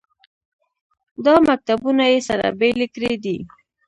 دا مکتبونه یې سره بېلې کړې دي.